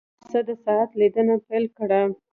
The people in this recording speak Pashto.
زما پسه د ساعت لیدنه پیل کړه.